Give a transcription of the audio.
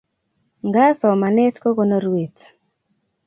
Nga somanet ko konorwet